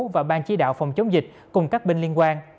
và ban chỉ đạo phòng chống dịch cùng các bên liên quan